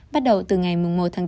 bắt đầu từ ngày một tháng bốn